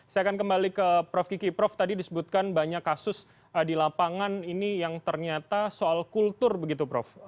saya akan kembali ke prof kiki prof tadi disebutkan banyak kasus di lapangan ini yang ternyata soal kultur begitu prof